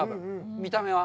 見た目は。